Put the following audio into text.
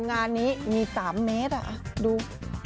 งานนี้มี๓เมตรดู